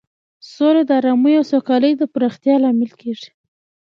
سوله د ارامۍ او سوکالۍ د پراختیا لامل کیږي.